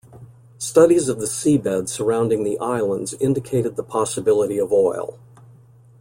Studies of the seabed surrounding the islands indicated the possibility of oil.